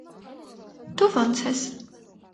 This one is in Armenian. Դո՞ւ ոնց ես: